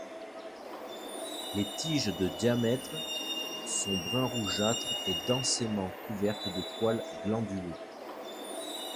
Les tiges, de de diamètre, sont brun-rougeâtre et densément couvertes de poils glanduleux.